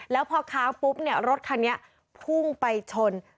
แล้วพอค้างปุ๊บเนี่ยรถคันนี้พุ่งไปชน